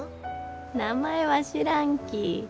名前は知らんき。